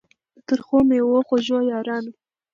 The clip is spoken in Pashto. د ترخو میو خوږو یارانو